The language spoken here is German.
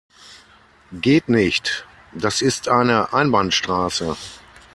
Geht nicht, das ist eine Einbahnstraße.